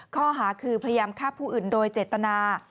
ข้อหาคือพยายามฆ่าผู้อื่นโดยเจตนา